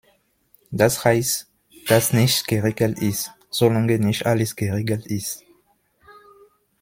Das heißt, dass nichts geregelt ist, solange nicht alles geregelt ist.